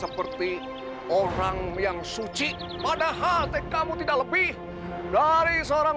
apa yang mau ayah lakukan